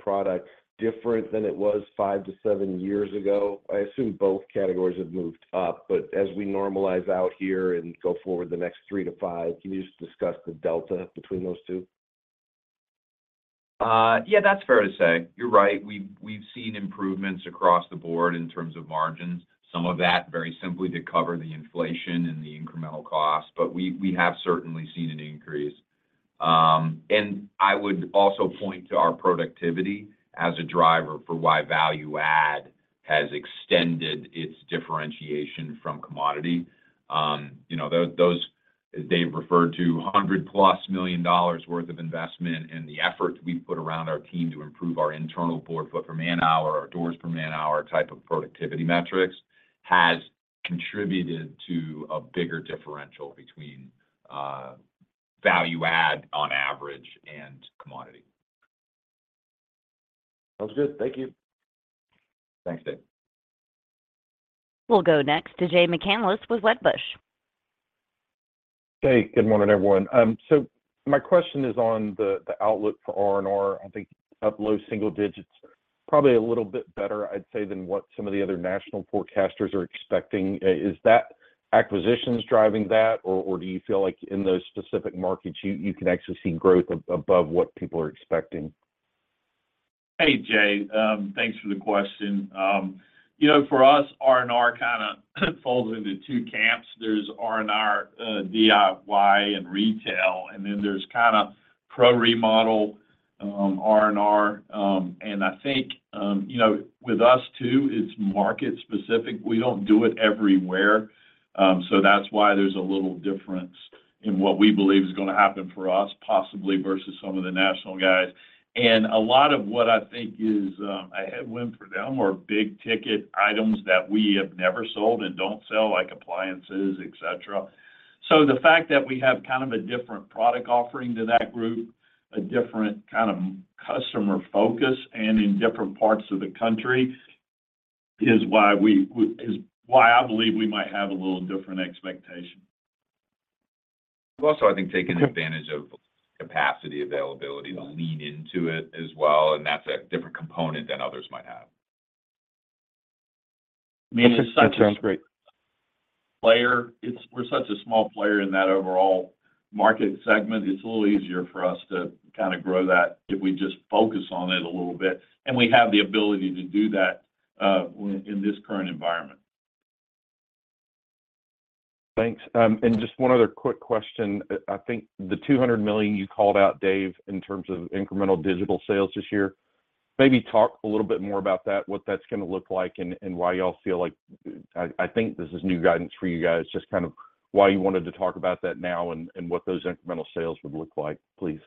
products different than it was 5-7 years ago? I assume both categories have moved up, but as we normalize out here and go forward the next 3-5, can you just discuss the delta between those two? Yeah, that's fair to say. You're right. We've seen improvements across the board in terms of margins, some of that very simply to cover the inflation and the incremental costs. But we have certainly seen an increase. And I would also point to our productivity as a driver for why value-add has extended its differentiation from commodity. Those they've referred to $100+ million worth of investment and the effort we've put around our team to improve our internal board foot per man-hour, our doors per man-hour type of productivity metrics has contributed to a bigger differential between value-add on average and commodity. Sounds good. Thank you. Thanks, Dave. We'll go next to Jay McCanless with Wedbush. Hey, good morning, everyone. My question is on the outlook for R&R. I think up low single digits, probably a little bit better, I'd say, than what some of the other national forecasters are expecting. Is that acquisitions driving that, or do you feel like in those specific markets, you can actually see growth above what people are expecting? Hey, Jay. Thanks for the question. For us, R&R kind of falls into two camps. There's R&R DIY and retail, and then there's kind of pro-remodel R&R. And I think with us, too, it's market-specific. We don't do it everywhere. So that's why there's a little difference in what we believe is going to happen for us, possibly, versus some of the national guys. And a lot of what I think is a headwind for them are big-ticket items that we have never sold and don't sell, like appliances, etc. So the fact that we have kind of a different product offering to that group, a different kind of customer focus, and in different parts of the country is why I believe we might have a little different expectation. We've also, I think, taken advantage of capacity availability to lean into it as well. That's a different component than others might have. I mean, it sounds great. We're such a small player in that overall market segment. It's a little easier for us to kind of grow that if we just focus on it a little bit. We have the ability to do that in this current environment. Thanks. And just one other quick question. I think the $200 million you called out, Dave, in terms of incremental digital sales this year. Maybe talk a little bit more about that, what that's going to look like, and why y'all feel like I think this is new guidance for you guys, just kind of why you wanted to talk about that now and what those incremental sales would look like, please.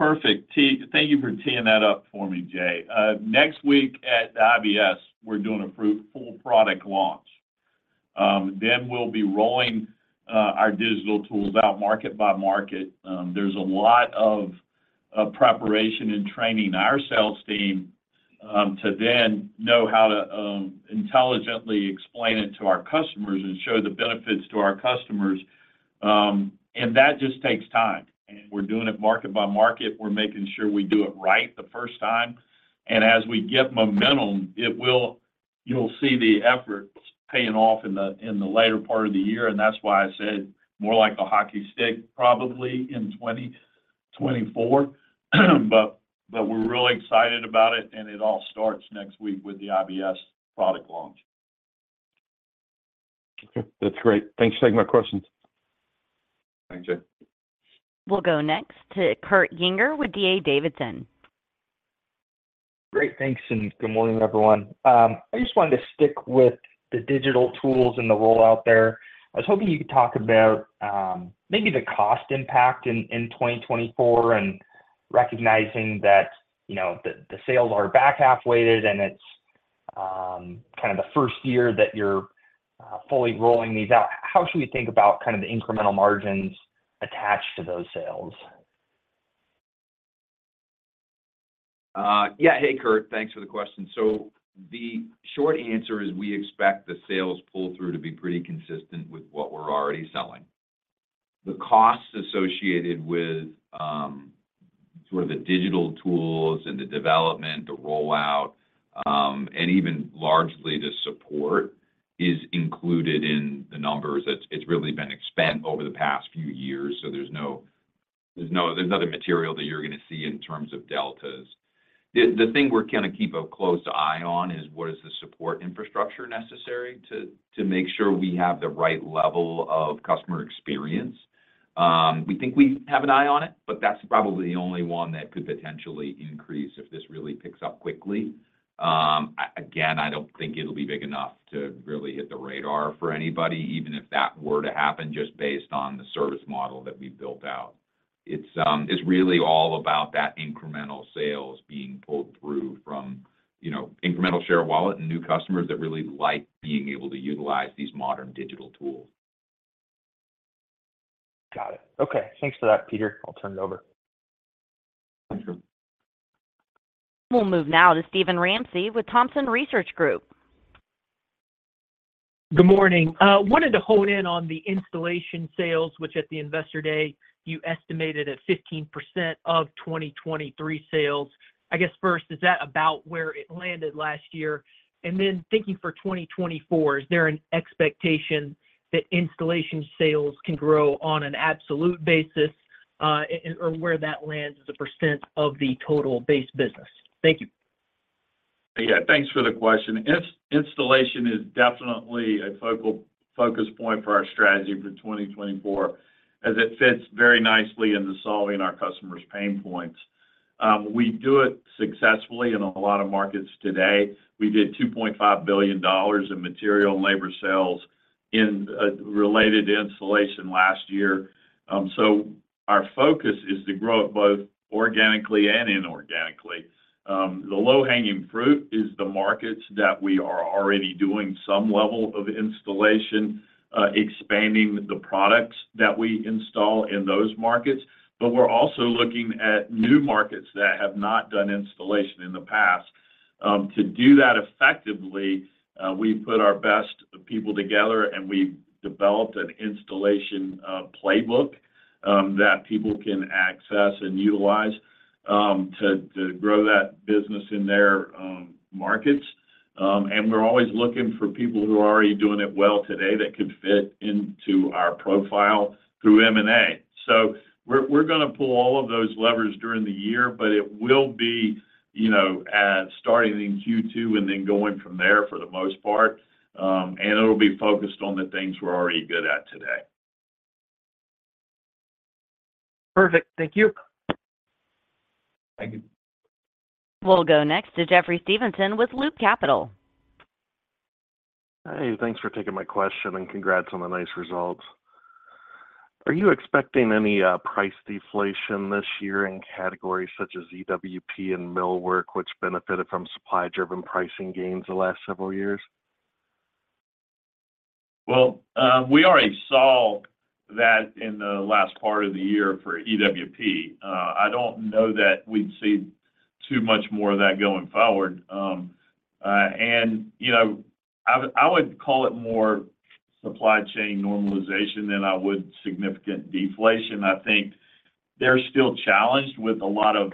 Perfect. Thank you for teeing that up for me, Jay. Next week at IBS, we're doing a full product launch. Then we'll be rolling our digital tools out market by market. There's a lot of preparation and training our sales team to then know how to intelligently explain it to our customers and show the benefits to our customers. And that just takes time. And we're doing it market by market. We're making sure we do it right the first time. And as we get momentum, you'll see the efforts paying off in the later part of the year. And that's why I said more like a hockey stick, probably, in 2024. But we're really excited about it. And it all starts next week with the IBS product launch. Okay. That's great. Thanks for taking my questions. Thanks, Jay. We'll go next to Kurt Yinger with D.A. Davidson. Great. Thanks. Good morning, everyone. I just wanted to stick with the digital tools and the rollout there. I was hoping you could talk about maybe the cost impact in 2024 and recognizing that the sales are back halfway there, and it's kind of the first year that you're fully rolling these out. How should we think about kind of the incremental margins attached to those sales? Yeah. Hey, Kurt. Thanks for the question. So the short answer is we expect the sales pull-through to be pretty consistent with what we're already selling. The costs associated with sort of the digital tools and the development, the rollout, and even largely the support is included in the numbers. It's really been expense over the past few years. So there's nothing material that you're going to see in terms of deltas. The thing we're going to keep a close eye on is what is the support infrastructure necessary to make sure we have the right level of customer experience. We think we have an eye on it, but that's probably the only one that could potentially increase if this really picks up quickly. Again, I don't think it'll be big enough to really hit the radar for anybody, even if that were to happen just based on the service model that we've built out. It's really all about that incremental sales being pulled through from incremental share of wallet and new customers that really like being able to utilize these modern digital tools. Got it. Okay. Thanks for that, Peter. I'll turn it over. Thanks, Kurt. We'll move now to Steven Ramsey with Thompson Research Group. Good morning. Wanted to hone in on the installation sales, which at the investor day, you estimated at 15% of 2023 sales. I guess first, is that about where it landed last year? And then thinking for 2024, is there an expectation that installation sales can grow on an absolute basis or where that lands as a percent of the total Base Business? Thank you. Yeah. Thanks for the question. Installation is definitely a focal point for our strategy for 2024 as it fits very nicely into solving our customers' pain points. We do it successfully in a lot of markets today. We did $2.5 billion in material and labor sales related to installation last year. So our focus is to grow it both organically and inorganically. The low-hanging fruit is the markets that we are already doing some level of installation, expanding the products that we install in those markets. But we're also looking at new markets that have not done installation in the past. To do that effectively, we've put our best people together, and we've developed an installation playbook that people can access and utilize to grow that business in their markets. And we're always looking for people who are already doing it well today that could fit into our profile through M&A. So we're going to pull all of those levers during the year, but it will be starting in Q2 and then going from there for the most part. And it'll be focused on the things we're already good at today. Perfect. Thank you. Thank you. We'll go next to Jeffrey Stevenson with Loop Capital. Hey. Thanks for taking my question, and congrats on the nice results. Are you expecting any price deflation this year in categories such as EWP and millwork, which benefited from supply-driven pricing gains the last several years? Well, we already saw that in the last part of the year for EWP. I don't know that we'd see too much more of that going forward. I would call it more supply chain normalization than I would significant deflation. I think they're still challenged with a lot of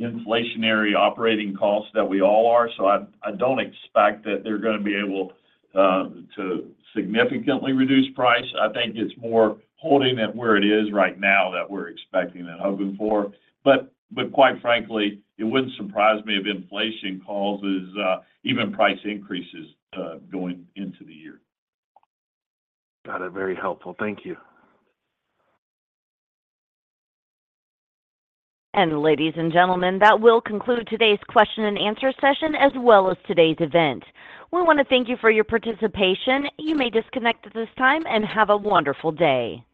inflationary operating costs that we all are. So I don't expect that they're going to be able to significantly reduce price. I think it's more holding at where it is right now that we're expecting and hoping for. But quite frankly, it wouldn't surprise me if inflation causes even price increases going into the year. Got it. Very helpful. Thank you. Ladies and gentlemen, that will conclude today's question and answer session as well as today's event. We want to thank you for your participation. You may disconnect at this time and have a wonderful day.